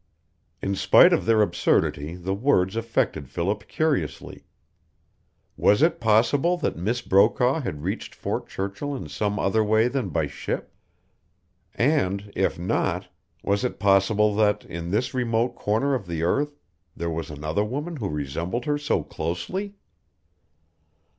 In spite of their absurdity the words affected Philip curiously. Was it possible that Miss Brokaw had reached Fort Churchill in some other way than by ship? And, if not, was it possible that in this remote corner of the earth there was another woman who resembled her so closely?